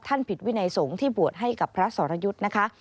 ผิดวินัยสงฆ์ที่บวชให้กับพระสรยุทธ์นะคะ